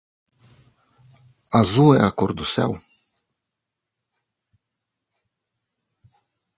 Azul é a cor do céu?